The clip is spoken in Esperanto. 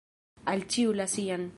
Al ĉiu la sian.